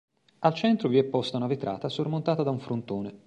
Al centro vi è posta una vetrata sormontata da un frontone.